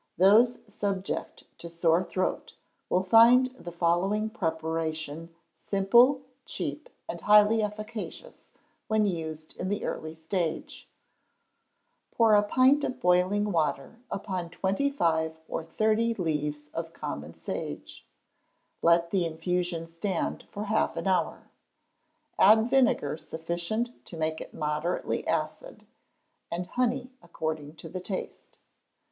Those subject to sore throat will find the following preparation simple, cheap, and highly efficacious when used in the early stage: Pour a pint of boiling water upon twenty five or thirty leaves of common sage; let the infusion stand for half an hour. Add vinegar sufficient to make it moderately acid, and honey according to the taste.